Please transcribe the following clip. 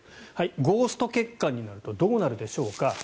ゴースト血管になるとどうなるでしょうか。